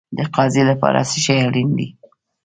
د قاضي لپاره څه شی اړین دی؟